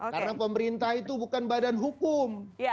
karena pemerintah itu bukan badan hukum